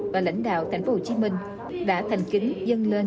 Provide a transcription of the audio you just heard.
và lãnh đạo tp hcm đã thành kính dâng lên